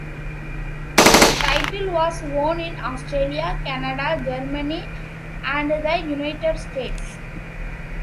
The title was won in Australia, Canada, Germany, and the United States.